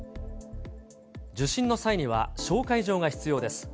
受診の際には紹介状が必要です。